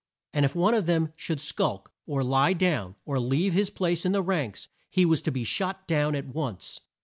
And if one of them should skulk, or lie down, or leave his place in the ranks, he was to be shot down at once.